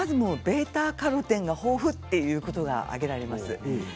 β−カロテンが豊富ということが挙げられます。